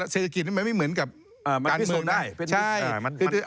เศรษฐกิจมันไม่เหมือนกับการมือนะ